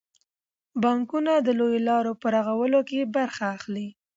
بانکونه د لویو لارو په رغولو کې برخه اخلي.